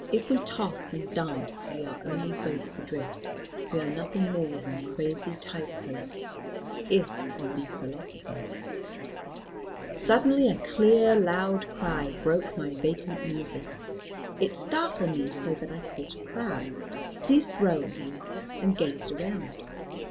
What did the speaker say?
If we toss and dance we are only boats adrift; we are nothing more than crazy tide posts, if we be philosophers. "Suddenly a clear loud cry broke my vacant musings. It startled me so that I caught a crab, ceased rowing, and gazed around.